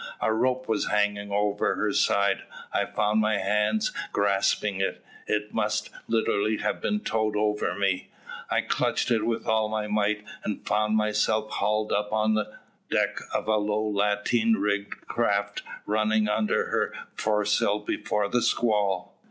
A rope was hanging over her side; I found my hands grasping it. It must literally have been towed over me; I clutched it with all my might, and found myself hauled up on the deck of a low latine rigged craft running under her foresail before the squall.